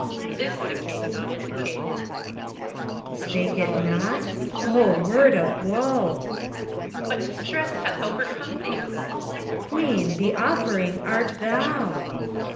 This the king not indicated. PHORKYAS. Spake it nott O word of woe ! HELENA. What distress hath overcome theeT PHORKYAS. Queen, the offering art thou